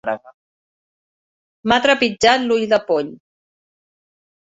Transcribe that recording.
M'ha trepitjat l'ull de poll.